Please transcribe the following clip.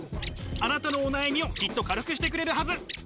あなたのお悩みをきっと軽くしてくれるはず。